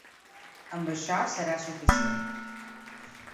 Amb això serà suficient.